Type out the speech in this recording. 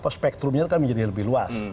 spektrumnya kan menjadi lebih luas